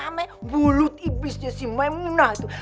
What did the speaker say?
ama mulut iblisnya si memunah tuh